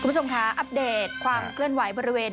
คุณผู้ชมค่ะอัปเดตความเคลื่อนไหวบริเวณ